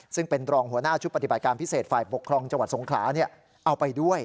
ซึ่งเป็นรองหัวหน้าชุดปฏิบัติการพิเศษฝ่ายปกครองจังหวัดสงขลาเอาไปด้วย